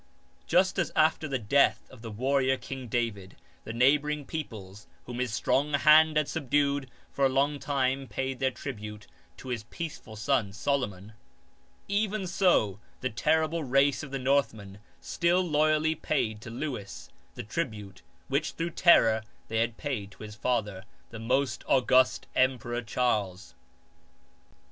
Just as after the death of the warrior King David, the neighbouring peoples, whom his strong hand had subdued, for a long time paid their tribute to his peaceful son Solomon : even so the terrible race of the Northmen still loyally paid to Lewis the tribute which through terror they had paid to his father, the most august Emperor Charles.